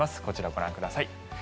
こちら、ご覧ください。